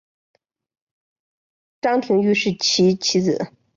张廷玉是其次子。